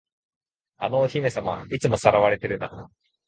あのお姫様、いつも掠われてるな。